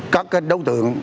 có cái đối tượng